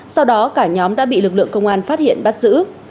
sau đó cả nhóm đã bị lực lượng công an phát hiện bắt giữ